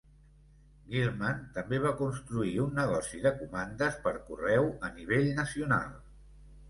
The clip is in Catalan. Gilman també va construir un negoci de comandes per correu a nivell nacional.